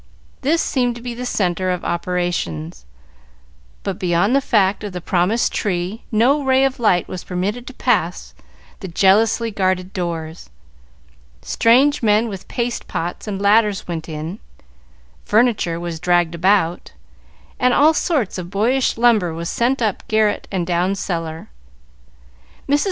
This seemed to be the centre of operations, but beyond the fact of the promised tree no ray of light was permitted to pass the jealously guarded doors. Strange men with paste pots and ladders went in, furniture was dragged about, and all sorts of boyish lumber was sent up garret and down cellar. Mrs.